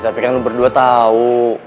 tapi kan berdua tahu